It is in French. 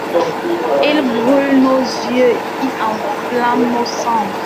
Ils brûlent nos yeux, ils enflamment nos sens.